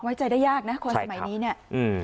ไว้ใจได้ยากนะคนสมัยนี้เนี่ยอืม